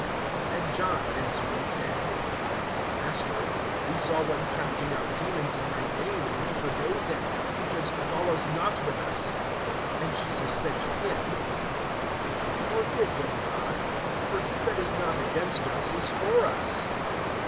(49)And John answering said: Master, we saw one casting out demons in thy name; and we forbade him, because he follows not with us. (50)And Jesus said to him: Forbid him not; for he that is not against us is for us.